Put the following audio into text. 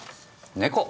猫？